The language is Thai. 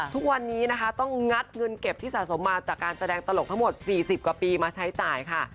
ทุกวันนี้นะคะต้องงัดเงินเก็บที่สะสมมาจากการแสดงตลกทั้งหมด๔๐กว่าปีมาใช้จ่ายค่ะ